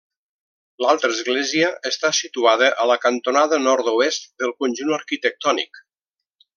L'altra església està situada a la cantonada nord-oest del conjunt arquitectònic.